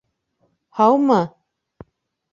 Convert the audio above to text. Һаумы?